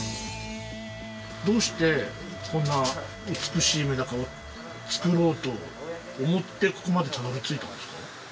どうしてこんな美しいメダカをつくろうと思ってここまでたどりついたんですか？